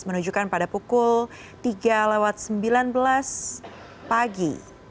menunjukkan pada pukul tiga sembilan belas pagi